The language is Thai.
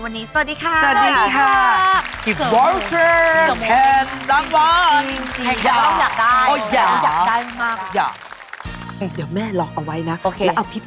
วันนี้สวัสดีค่ะสวัสดีค่ะคลิดเวิร์คเชิงเดี๋ยวเป็นสำคัญดังวัด